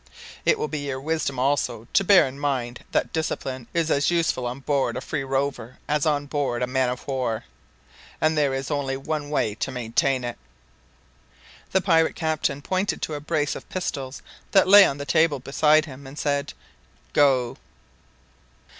It will be your wisdom, also, to bear in mind that discipline is as useful on board a Free Rover as on board a man of war, and that there is only one way to maintain it." The pirate captain pointed to a brace of pistols that lay on the table beside him, and said, "Go."